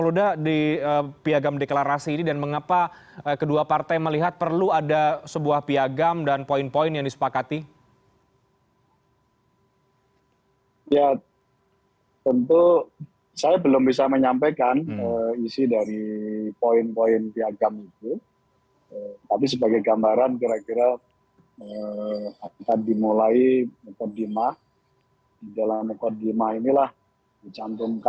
logika umum ketika pilpres dan pilek dilaksanakan secara seribu